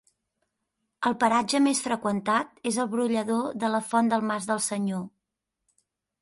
El paratge més freqüentat és el brollador de La Font del Mas del Senyor.